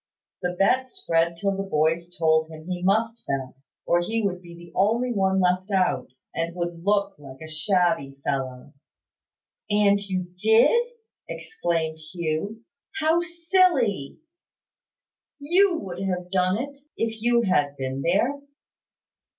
The betting spread till the boys told him he must bet, or he would be the only one left out, and would look like a shabby fellow. "And you did?" exclaimed Hugh. "How silly!" "You would have done it, if you had been there."